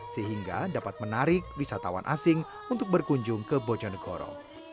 sehingga dapat menarik wisatawan asing untuk berkunjung ke bojonegoro